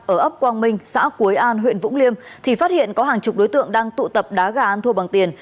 ở ấp quang minh xã quế an huyện vũng liêm thì phát hiện có hàng chục đối tượng đang tụ tập đá gà ăn thua bằng tiền